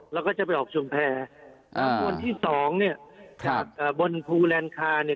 เราก็จะไปออกชุมแพรอ่าคนที่สองเนี่ยครับบนภูแลนคาเนี่ย